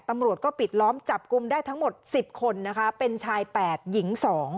ตำรวจก็ปิดล้อมจับกลุ่มได้ทั้งหมด๑๐คนนะคะเป็นชาย๘หญิง๒